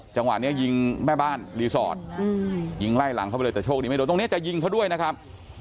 จังหวะนี้ยิงแม่บ้านรีสอร์ทยิงไล่หลังเข้าไปเลยแต่โชคดีไม่โดนตรงนี้จะยิงเขาด้วยนะครับ